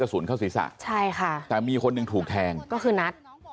สุนเข้าศีรษะใช่ค่ะแต่มีคนหนึ่งถูกแทงก็คือนัท